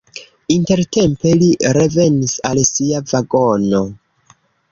Intertempe li revenis al sia vagono.